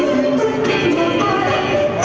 เพื่อนก่อนถึงเธอไฟ